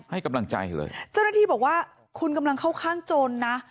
เจ้าหน้าที่บอกว่าคุณกำลังเข้าข้างโจรนะ